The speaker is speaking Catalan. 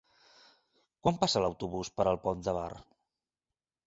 Quan passa l'autobús per el Pont de Bar?